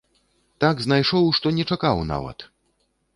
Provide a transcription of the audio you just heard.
Так знайшоў, што не чакаў нават!